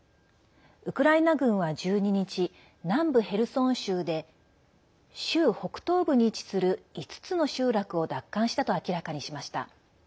ウクライナ軍は１２日南部ヘルソン州で州北東部に位置する５つの集落を奪還したと明らかにしました。